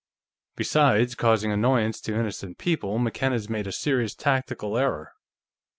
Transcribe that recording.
Besides causing annoyance to innocent people, McKenna's made a serious tactical error.